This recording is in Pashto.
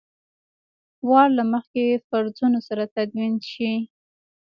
وار له مخکې فرضونو سره تدوین شوي.